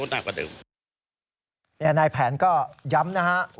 นายแผนก็ย้ำนะครับ